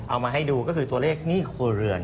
เอามาให้ดูก็คือตัวเลขหนี้ครัวเรือน